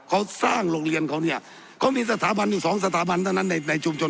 เขาสร้างโรงเรียนเขาเนี่ยเขามีสถาบันอยู่สองสถาบันเท่านั้นในในชุมชน